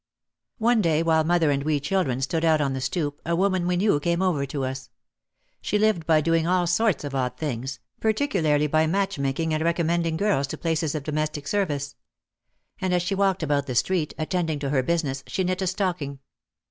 One day while mother and we children stood out on the stoop a woman we knew came over to us. She lived by doing all sorts of odd things, particularly by match making and recommending girls to places of domestic service. And as she walked about the street, attending to her business, she knit a stocking.